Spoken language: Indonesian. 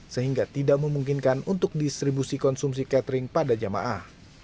sehingga tidak memungkinkan untuk distribusi konsumsi catering pada jamaah